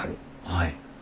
はい。